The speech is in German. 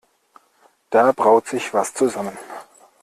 Da braut sich was zusammen.